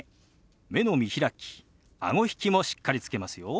目の見開きあご引きもしっかりつけますよ。